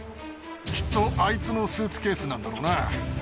きっとあいつのスーツケースなんだろうな。